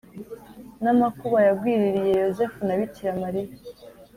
namakuba yagwiririye Yozefu na bikiramarira